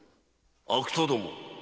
・悪党ども。